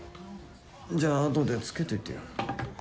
じゃああとでつけといてよ。